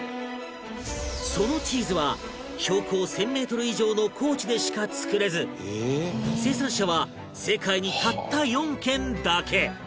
そのチーズは標高１０００メートル以上の高地でしか作れず生産者は世界にたった４軒だけ